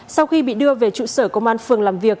sau khi bị đưa về trụ sở công an phường làm việc